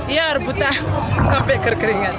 iya rebutan sampai gergeringan